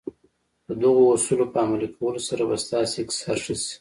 د دغو اصولو په عملي کولو سره به ستاسې اقتصاد ښه شي.